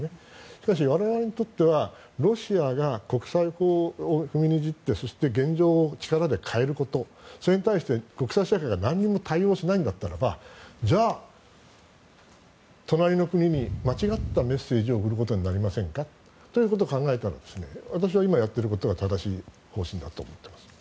しかし我々にとってはロシアが国際法を踏みにじってそして、現状を力で変えることそれに対して国際社会が何も対応しないんだったらじゃあ、隣の国に間違ったメッセージを送ることになりませんかということを考えたら私は今やっていることが正しい方針だと思っています。